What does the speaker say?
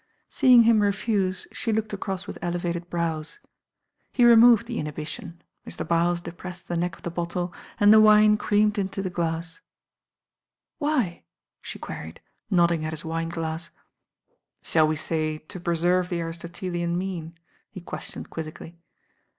Seeing him refuse she looked across with elevated brows. He removed the inhibition, Mr. Byles de ZTtu f "'"^°^'*'"^°"^*^*"^'^'™« creamed into the glass. I'Why?" she queried, nodding at his wine glass, bhall we say to preserve the Aristotelean mean ?" he questioned quizzically.